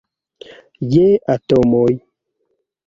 Je atomoj.